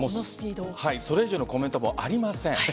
それ以上のコメントはありません。